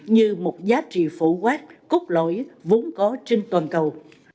như một giá trị phổ quát cốt lỗi vốn có trên toàn cầu